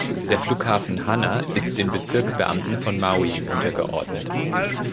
Der Flughafen Hana ist den Bezirksbeamten von Maui untergeordnet.